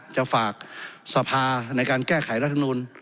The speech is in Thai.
จะฝากสภาในการแก้ไขรัฐมนูล